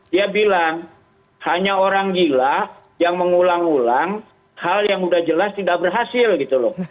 dia bilang hanya orang gila yang mengulang ulang hal yang sudah jelas tidak berhasil gitu loh